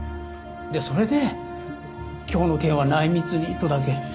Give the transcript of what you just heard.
それで「今日の件は内密に」とだけ。